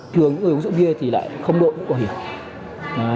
thường người dùng rượu bia thì lại không đội mũ bảo hiểm